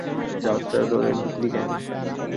যাত্রার দলে ঢুকলি কেন?